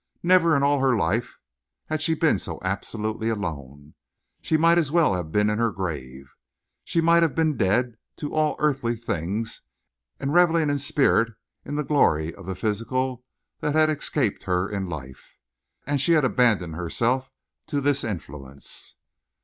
Never in all her life had she been so absolutely alone. She might as well have been in her grave. She might have been dead to all earthy things and reveling in spirit in the glory of the physical that had escaped her in life. And she abandoned herself to this influence.